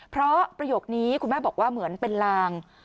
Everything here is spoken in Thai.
เพราะประโยคนี้คุณแม่บอกว่าเหมือนเป็นลาง